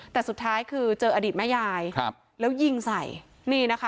แต่สุดท้ายคือเจออดีตแม่ยายครับแล้วยิงใส่นี่นะคะ